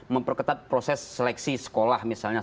memperketat proses seleksi sekolah misalnya